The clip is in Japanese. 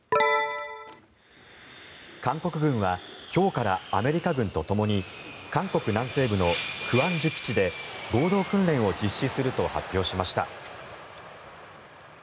韓国軍は今日からアメリカ軍とともに韓国南西部の光州基地で合同訓練を実施すると発表しました。